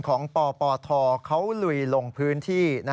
ของปปทเขาลุยลงพื้นที่